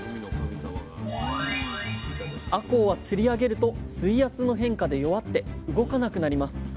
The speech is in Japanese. あこうは釣り上げると水圧の変化で弱って動かなくなります。